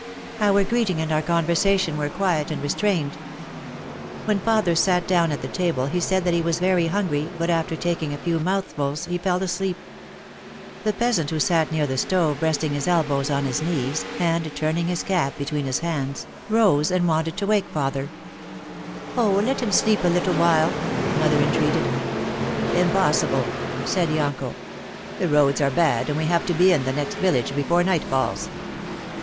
Our greeting and our conversation were quiet and re strained. When father sat down at the table he said that he was very hungry but after taking a few mouthfuls he fell asleep. The peasant who sat near the stove resting his elbows on his knees and turning his cap between his 18 OUT OF THE SHADOW hands, rose and wanted to wake father. "Oh, let him sleep a little while," mother entreated. "Impossible," said Yonko, "the roads are bad and we have to be in the next village before night falls."